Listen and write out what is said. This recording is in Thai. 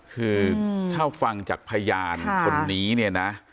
คือถ้าฟังจากพยานคนนี้เนี่ยนะ